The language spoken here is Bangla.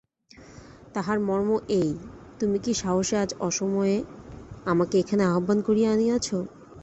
তাহার মর্ম এই, তুমি কী সাহসে আজ অসময়ে আমাকে এখানে আহ্বান করিয়া আনিয়াছ।